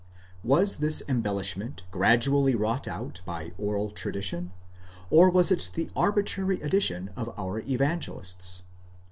Was this embellishment gradually wrought out by oral tradition, or was it the arbitrary addition of our Evangelists?